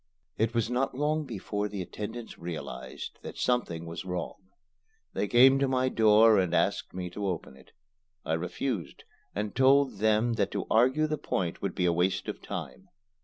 It was not long before the attendants realized that something was wrong. They came to my door and asked me to open it. I refused, and told them that to argue the point would be a waste of time.